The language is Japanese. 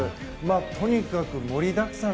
とにかく盛りだくさん。